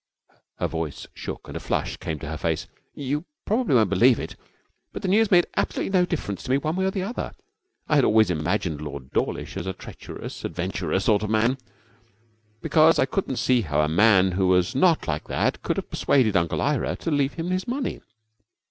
Her voice shook and a flush came into her face. 'You probably won't believe it, but the news made absolutely no difference to me one way or the other. I had always imagined Lord Dawlish as a treacherous, adventurer sort of man, because I couldn't see how a man who was not like that could have persuaded Uncle Ira to leave him his money.